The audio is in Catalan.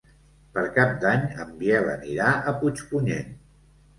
Per Cap d'Any en Biel anirà a Puigpunyent.